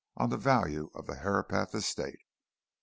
on the value of the Herapath estate?